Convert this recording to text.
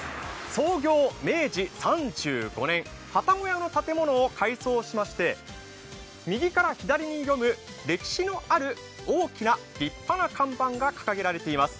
創業明治３５年、はたご屋の建物を改装しまして右から左に読む歴史のある大きな立派な看板が掲げられています。